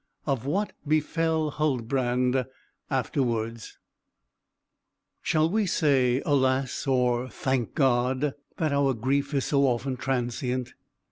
XVI. OF WHAT BEFELL HULDBRAND AFTERWARDS Shall we say, Alas, or thank God, that our grief is so often transient?